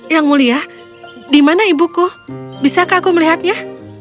yang mulia di mana ibuku bisakah aku melihatnya